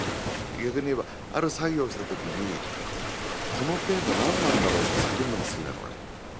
逆に言えばある作業をした時にこのテーマ何なんだろうって探んのが好きなのね。